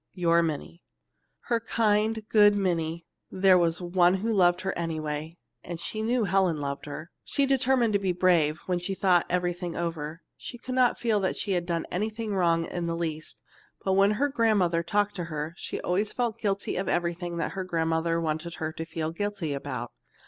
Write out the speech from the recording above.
"Your Minnie." Her kind, good Minnie! There was one who loved her anyway. And she knew Helen loved her. She determined to be brave. When she thought everything over, she could not feel that she had done anything wrong in the least. But when her grandmother talked to her, she always felt guilty of everything that her grandmother wanted her to feel guilty about.